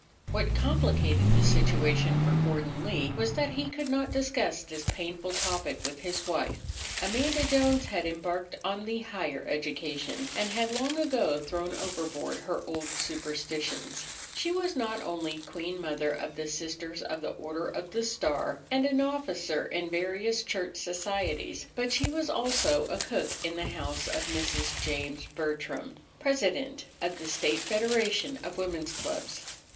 What complicated the situation for Gordon Lee was that he could not discuss this painful topic with his wife. Amanda Jones had embarked on the higher education, and had long ago thrown overboard her old superstitions. She was not only Queen Mother of the Sisters of the Order of the Star, and an officer in various church societies, but she was also a cook in the house of Mrs. James Bertram, President of the State Federation of Women's Clubs.